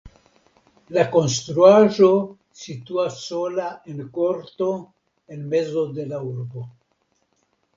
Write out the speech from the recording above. La konstruaĵo situas sola en korto en mezo de la urbo.